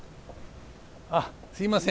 あっすいません。